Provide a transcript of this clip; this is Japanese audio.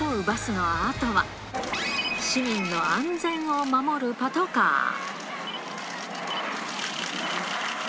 バスのあとは、市民の安全を守るパトカー。